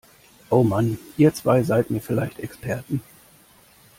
Oh Mann, ihr zwei seid mir vielleicht Experten!